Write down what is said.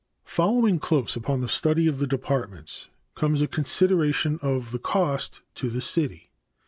Following close upon the study of the departments comes a consideration of the cost to the city.